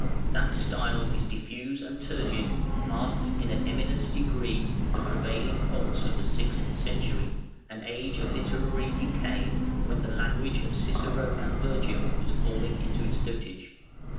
That style is diffuse and turgid, marked in an eminent degree with the prevailing faults of the sixth century, an age of literary decay, when the language of Cicero and Virgil was falling into its dotage.